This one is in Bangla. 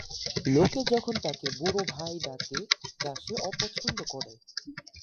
লোকে যখন তাকে "বুড়ো ভাই" ডাকে যা সে অপছন্দ করে।